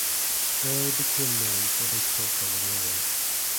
Earle became known for his work on the railways.